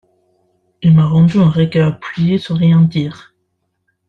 Il m’a rendu un regard appuyé sans rien dire.